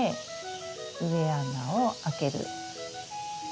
植え穴を開ける。